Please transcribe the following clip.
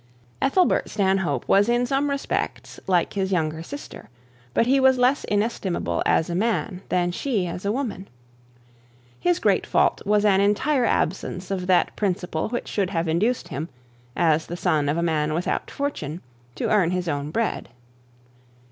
Ethelbert Stanhope was in some respects like his younger sister, but he was less inestimable as a man than she was as a woman. His great fault was an entire absence of that principle which should have induced him, as the son of a man without fortune, to earn his own bread.